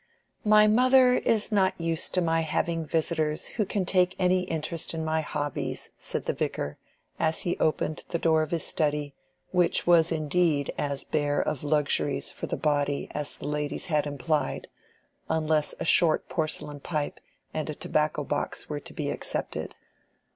"My mother is not used to my having visitors who can take any interest in my hobbies," said the Vicar, as he opened the door of his study, which was indeed as bare of luxuries for the body as the ladies had implied, unless a short porcelain pipe and a tobacco box were to be excepted.